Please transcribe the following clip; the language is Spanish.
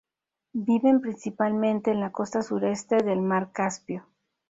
Viven principalmente en la costa sureste del mar Caspio.